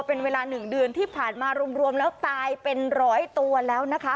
เป็นเวลา๑เดือนที่ผ่านมารวมแล้วตายเป็นร้อยตัวแล้วนะคะ